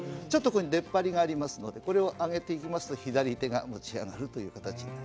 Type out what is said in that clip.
ちょっとでっぱりがありますのでこれを上げていくと左手が持ち上がる。